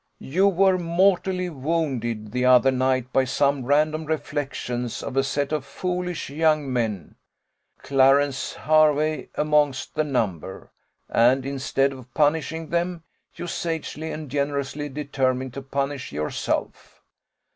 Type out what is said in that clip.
You were mortally wounded the other night by some random reflections of a set of foolish young men Clarence Hervey amongst the number; and instead of punishing them, you sagely and generously determined to punish yourself.